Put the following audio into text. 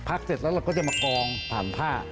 เสร็จแล้วเราก็จะมากองผ่านผ้า